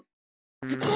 ズコ！